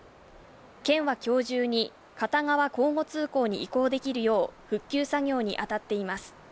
県は今日中に片側交互通行に移行できるよう復旧作業に当たっています。